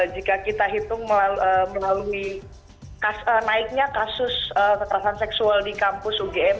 jika kita hitung melalui naiknya kasus kekerasan seksual di kampus ugm